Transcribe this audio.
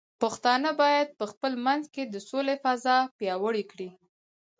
پښتانه بايد په خپل منځ کې د سولې فضاء پیاوړې کړي.